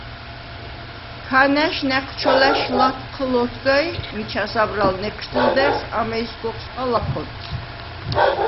ქანა̈შ ნა̈ჴჩოლა̈შ ლათჴჷლ ოთგა ი მიჩა საბრალ ნეჴშდჷლდა̈რშვ ამეჲსგ’ ოხსყა ლაქონც.